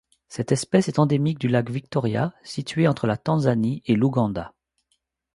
Cette espèce est endémique du lac Victoria situé entre la Tanzanie et l'Ouganda.